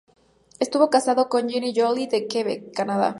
Estuvo casado con Jeanne Joly, de Quebec, Canadá.